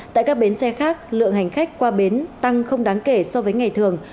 tại các bến xe khác lượng hành khách qua bến tăng không đáng kể so với ngày thường